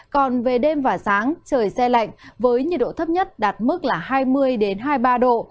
còn về đêm và sáng trời xe lạnh với nhiệt độ thấp nhất đạt mức là hai mươi hai mươi ba độ